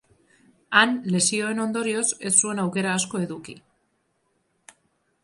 Han lesioen ondorioz ez zuen aukera asko eduki.